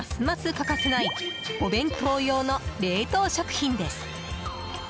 欠かせないお弁当用の冷凍食品です。